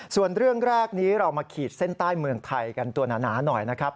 ส่วนเรื่องแรกนี้เรามาขีดเส้นใต้เมืองไทยกันตัวหนาหน่อยนะครับ